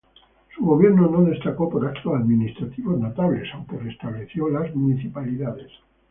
Su gobierno no destacó por actos administrativos notables, aunque restableció las municipalidades.